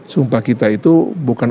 sumpah kita itu bukan